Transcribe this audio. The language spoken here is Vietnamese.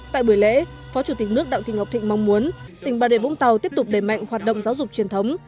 tại buổi lễ phó chủ tịch nước đặng thị ngọc thịnh mong muốn tỉnh bà rịa vũng tàu tiếp tục đẩy mạnh hoạt động giáo dục truyền thống